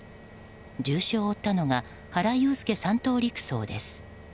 重傷を負ったのが原悠介３等陸曹です。